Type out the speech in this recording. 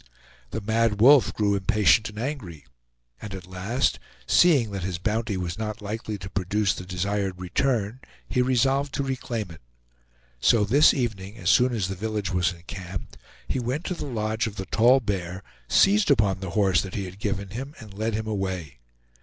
The Mad Wolf grew impatient and angry; and at last, seeing that his bounty was not likely to produce the desired return, he resolved to reclaim it. So this evening, as soon as the village was encamped, he went to the lodge of the Tall Bear, seized upon the horse that he had given him, and led him away.